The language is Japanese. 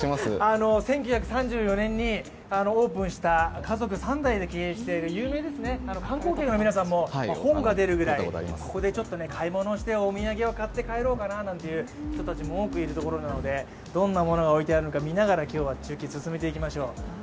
１９３４年にオープンした家族三代で経営している有名ですね、観光客の皆さんも本が出るぐらい、ここでちょっと買い物をしてお土産を買って帰ろうかなという人も多くいるところなのでどんなものが置いてあるのが見ながら、今日は中継、進めていきましょう。